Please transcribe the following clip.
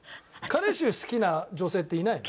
「加齢臭好きな女性っていないの？」